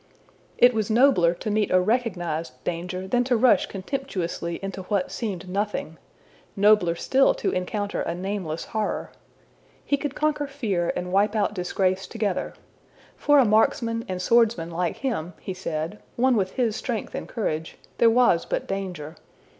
It was nobler to meet a recognized danger than to rush contemptuously into what seemed nothing nobler still to encounter a nameless horror. He could conquer fear and wipe out disgrace together. For a marksman and swordsman like him, he said, one with his strength and courage, there was but danger.